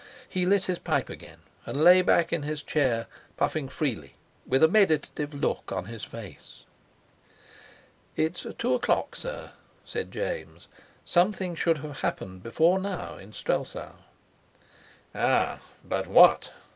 He lit his pipe again and lay back in his chair, puffing freely, with a meditative look on his face. "It's two o'clock, sir," said James. "Something should have happened before now in Strelsau." "Ah, but what?"